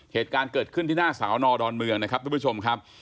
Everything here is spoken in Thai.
เหตุการณ์เกิดขึ้นที่หน้าสาวนอดอนเมืองนะครับทุกผู้ชมครับ